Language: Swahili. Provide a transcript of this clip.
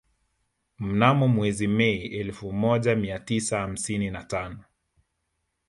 Mnamo mwezi Mei elfu moja mia tisa hamsini na tano